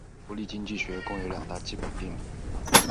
福利经济学共有两大基本定理。